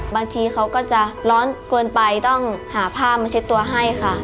บางทีเขาก็จะร้อนเกินไปต้องหาผ้ามาเช็ดตัวให้ค่ะ